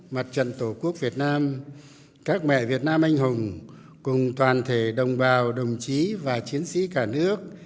mặt trận tổ quốc việt nam các mẹ việt nam anh hùng cùng toàn thể đồng bào đồng chí và chiến sĩ cả nước